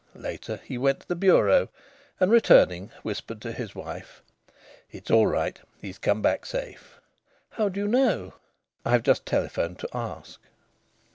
Later he went to the bureau, and, returning, whispered to his wife: "It's all right. He's come back safe." "How do you know?" "I've just telephoned to ask."